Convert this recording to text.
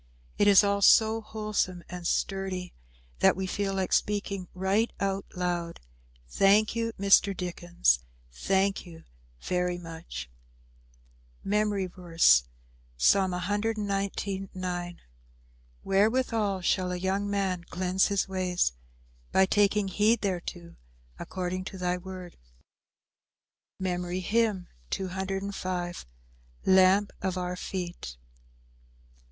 It is all so wholesome and sturdy that we feel like speaking right out loud, "Thank you, Mr. Dickens, thank you very much." MEMORY VERSE, Psalm 119: 9 "Wherewithal shall a young man cleanse his ways? By taking heed thereto according to thy word." MEMORY HYMN _"Lamp of our feet."